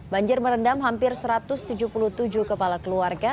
banjir merendam hampir satu ratus tujuh puluh tujuh kepala keluarga